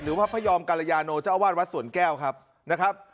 หรือพระพยอมการญาโนเจ้าอาวาสวรรค์แก้วครับนะครับ